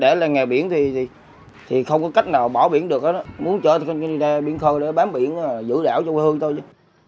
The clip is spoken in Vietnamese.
để lên nghèo biển thì không có cách nào bỏ biển được muốn chở đi ra biển khơi để bám biển giữ đảo cho quê hương thôi chứ